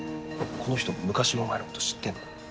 この人昔のお前のこと知ってんの？